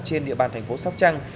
trên địa bàn thành phố sóc trăng